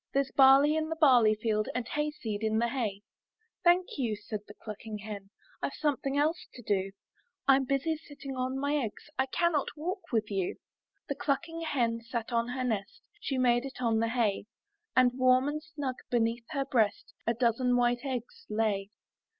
There's barley in the barley field. And hayseed in the hay/* 'Thank you,'* said the clucking hen; "Tve something else to do; Fm busy sitting on my eggs, I cannot walk with you.'* The clucking hen sat on her nest. She made it on the hay; And warm and snug beneath her breast, A dozen white eggs lay.